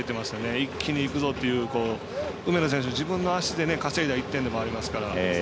一気にいくぞという梅野選手、自分の足で稼いだ１点でもありますから。